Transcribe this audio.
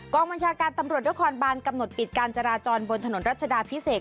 บัญชาการตำรวจนครบานกำหนดปิดการจราจรบนถนนรัชดาพิเศษ